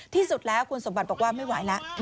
ที่สุดแล้วคุณสมบัติบอกว่าไม่ไหวแล้ว